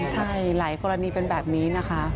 ใช่หลายกรณีเป็นแบบนี้นะคะ